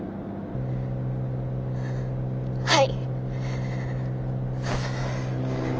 はい。